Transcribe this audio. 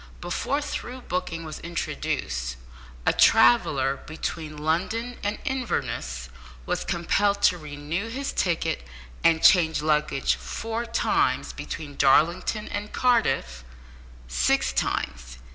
Before through booking was introduced, a traveller between London and Inverness was compelled to renew his ticket and change luggage four times; between Darlington and Cardiff six times.